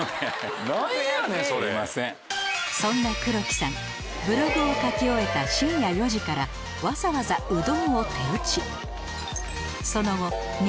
そんな黒木さんブログを書き終えた深夜４時からわざわざうどんを手打ちその後日